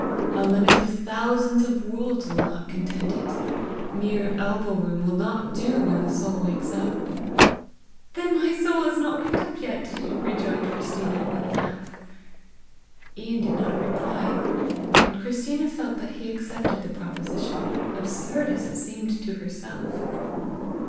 A limit of thousands of worlds will not content it. Mere elbow room will not do when the soul wakes up!" "Then my soul is not waked up yet!" rejoined Christina with a laugh. Ian did not reply, and Christina felt that he accepted the proposition, absurd as it seemed to herself.